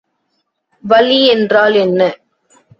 வளி என்றால் என்ன?